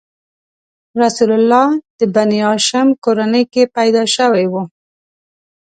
رسول الله د بنیهاشم کورنۍ کې پیدا شوی و.